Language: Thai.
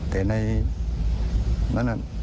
แต่ในนั้น